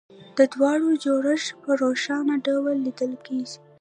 د دواړو جوړښت په روښانه ډول لیدل کېږي